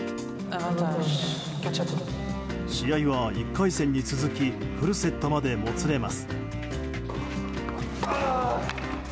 試合は１回戦に続きフルセットまでもつれます。